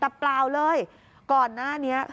แต่เปล่าเลยก่อนหน้านี้